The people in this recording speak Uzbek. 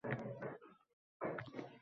Buyur —